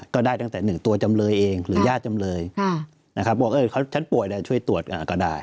ก็ได้ตั้งแต่ตัวจำเลยเองหรือยาทบอกว่าเขาป่วยก็น่าจะช่วยตรวจก็ได้